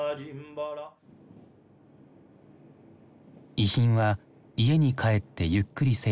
遺品は家に帰ってゆっくり整理したい。